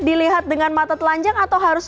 dilihat dengan mata telanjang atau harus